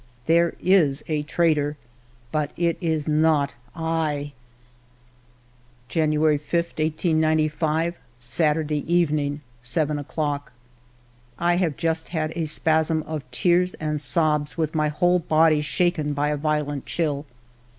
There is a traitor, but it is not I !"... ''January 5, 1895, Saturday evening, 7 o'clock. " I have just had a spasm of tears and sobs with my whole body shaken by a violent chill.